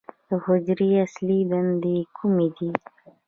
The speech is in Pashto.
د حجرې اصلي دندې کومې دي؟